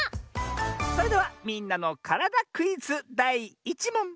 それでは「みんなのからだクイズ」だい１もん！